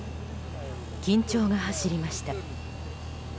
緊張が走りました。